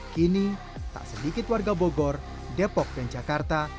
kini tak sedikit warga bogor depok dan jakarta